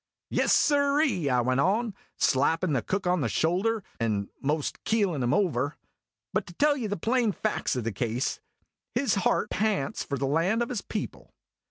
"Yes, sirree!" I went on, slapping the cook on the shoulder, and 'most keelin' him over. " But to tell you the plain facts o' the case, his heart pants for the land of his people."